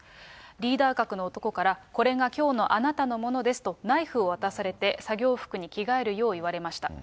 リーダー格の男から、これがきょうのあなたのものですとナイフを渡されて、作業服に着替えるよう言われました。